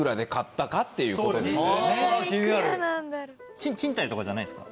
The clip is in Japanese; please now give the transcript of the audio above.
賃貸とかじゃないんですか？